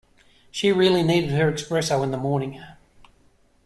She really needed her espresso in the morning.